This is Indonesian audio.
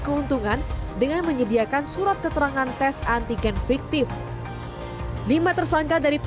kenapa nggak berani